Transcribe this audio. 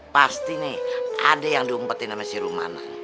pasti nih ada yang diumpetin sama si rumana